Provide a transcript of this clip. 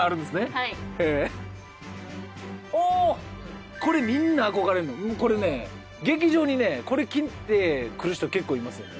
はいおおこれみんな憧れんのこれね劇場にねこれ着てくる人結構いますよね